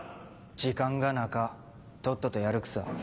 時間がなかとっととやるくさ。